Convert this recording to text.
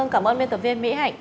cảm ơn miên tập viên mỹ hạnh